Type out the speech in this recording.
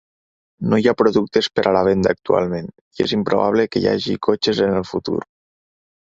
No hi ha productes per a la venda actualment, i és improbable que hi hagi cotxes en el futur.